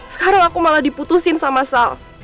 sekarang aku malah diputusin sama sal